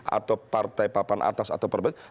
atau partai papan atas atau perbatas